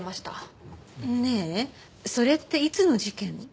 ねえそれっていつの事件？